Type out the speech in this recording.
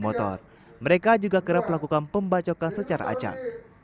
mereka juga kerap melakukan pembacokan secara acak